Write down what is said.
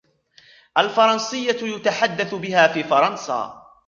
الفرنسية يتحدث بها في فرنسا.